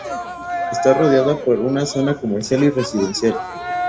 Está rodeada por una zona comercial y residencial.